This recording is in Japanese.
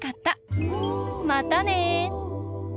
またね！